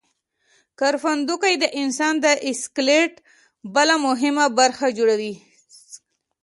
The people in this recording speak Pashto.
کرپندوکي د انسان د سکلیټ بله مهمه برخه جوړوي.